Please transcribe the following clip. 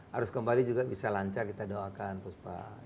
harus kembali juga bisa lancar kita doakan bu spa